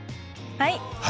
はい。